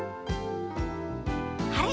あれ？